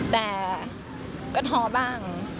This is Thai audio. แต่ก็ท้อบ้าง